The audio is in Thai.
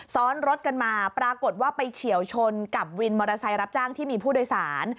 ซ้อนรถกันมาปรากฏว่าไปเฉียวชนกับวินมอเตอร์ไซค์รับจ้างที่มีผู้โดยสาร